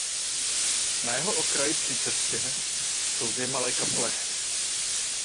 Na jeho okraji při cestě jsou dvě malé kaple.